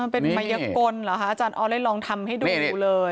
เป็นมัยกลเหรอคะอาจารย์ออสเลยลองทำให้ดูเลย